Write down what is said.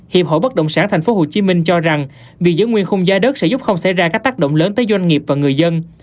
hiệp hội bất động sản tp hcm cho rằng việc giữ nguyên khung giá đất sẽ giúp không xảy ra các tác động lớn tới doanh nghiệp và người dân